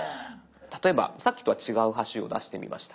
例えばさっきとは違う橋を出してみました。